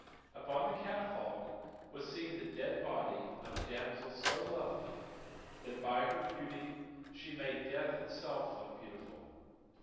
Upon the catafalque was seen the dead body of a damsel so lovely that by her beauty she made death itself look beautiful.